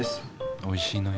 おいしいのよ。